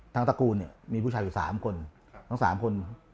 ทางตระกูลมีผู้ชายอยู่สามคนสามคน